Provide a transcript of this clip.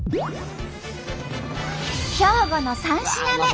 兵庫の３品目。